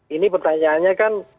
ini pertanyaannya kan